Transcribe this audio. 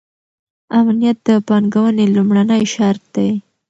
امنیت د پانګونې لومړنی شرط دی.